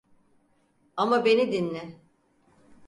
Ama beni dinle.